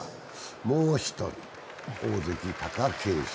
もう１人、大関・貴景勝。